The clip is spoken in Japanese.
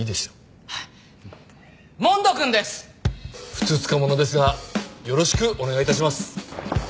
ふつつか者ですがよろしくお願い致します。